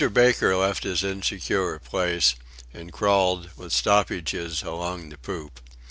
Baker left his insecure place, and crawled, with stoppages, along the poop.